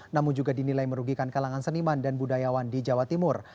namun juga dinilai merugikan kalangan seniman dan budayawan di jawa timur